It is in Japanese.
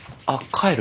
帰る？